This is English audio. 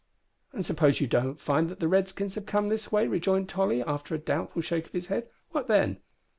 "And suppose you don't find that the Redskins have come this way," rejoined Tolly, after a doubtful shake of his head, "what then?"